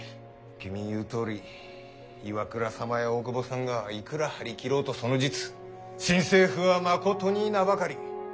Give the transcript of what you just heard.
君ん言うとおり岩倉様や大久保さんがいくら張り切ろうとその実新政府はまことに名ばかり。